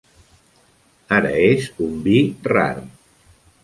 Ara és un vi rar.